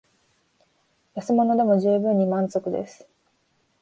安物でも充分に満足です